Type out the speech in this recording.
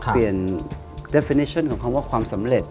เปลี่ยนคำตอบของคำว่าความสำเร็จ